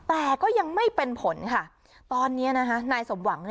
แต่ก็ยังไม่เป็นผลค่ะตอนนี้นะคะนายสมหวัง